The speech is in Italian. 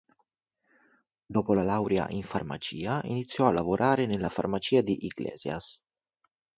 Dopo la laurea in farmacia, iniziò a lavorare nella farmacia di Iglesias.